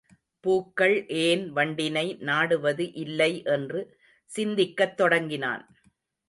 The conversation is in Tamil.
பூக்கள் ஏன் வண்டினை நாடுவது இல்லை என்று சிந்திக்கத் தொடங்கினான்.